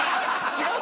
違う？